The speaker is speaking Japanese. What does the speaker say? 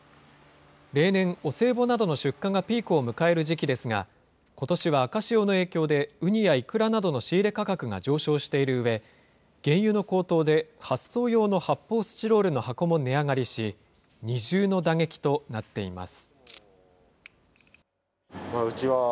例年、お歳暮などの出荷がピークを迎える時期ですが、ことしは赤潮の影響でウニやイクラなどの仕入れ価格が上昇しているうえ、原油の高騰で発送用の発泡スチロールの箱も値上がりし、二重の打撃となっています。